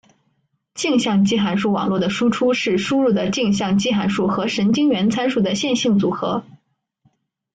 径向基函数网络的输出是输入的径向基函数和神经元参数的线性组合。